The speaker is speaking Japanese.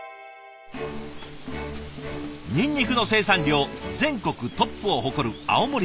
ニンニクの生産量全国トップを誇る青森県。